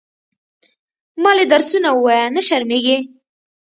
مالې درسونه ووايه نه شرمېږې.